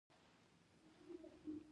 مسوولیت منلو ته اړتیا لري